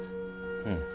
うん。